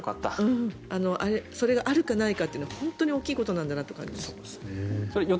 それがあるかないかというのは本当に大きいことなんだと感じました。